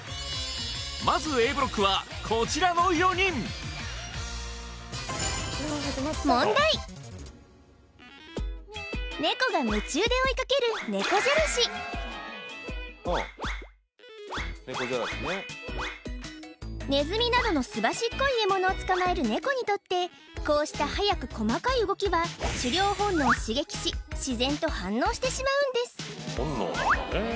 まずＡブロックはこちらの４人ネコが夢中で追いかける猫じゃらしネズミなどのすばしっこい獲物を捕まえるネコにとってこうした速く細かい動きは狩猟本能を刺激し自然と反応してしまうんです